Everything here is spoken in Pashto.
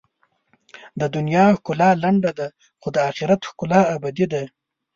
د دنیا ښکلا لنډه ده، خو د آخرت ښکلا ابدي ده.